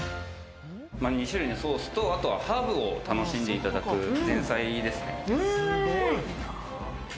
２種類のソースとハーブを楽しんでいただく前菜ですね。